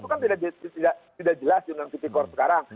itu kan tidak jelas di undang undang titikor sekarang